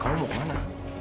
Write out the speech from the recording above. kamu mau kemana